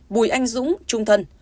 bùi anh dũng trung thân